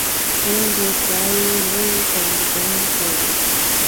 هند د چایو لوی تولیدونکی دی.